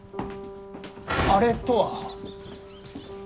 「あれ」とは？